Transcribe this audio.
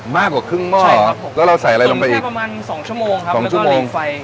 มากกว่าครึ่งหม้อครับผมแล้วเราใส่อะไรลงไปอีกประมาณสองชั่วโมงครับแล้วก็หลีไฟ